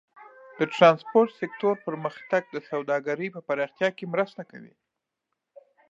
د ټرانسپورټ سکتور پرمختګ د سوداګرۍ په پراختیا کې مرسته کوي.